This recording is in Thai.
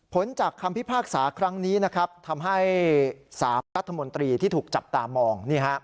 จากคำพิพากษาครั้งนี้นะครับทำให้๓รัฐมนตรีที่ถูกจับตามอง